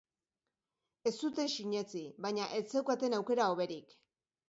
Ez zuten sinetsi, baina ez zeukaten aukera hoberik.